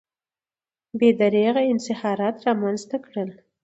بې دریغه انحصارات رامنځته کړل.